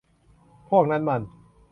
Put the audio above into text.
พวกนั้นมัน